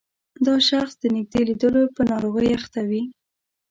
دا شخص د نږدې لیدلو په ناروغۍ اخته وي.